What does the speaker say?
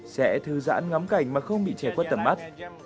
sẽ thư giãn ngắm cảnh mà không bị trẻ khuất tầm mắt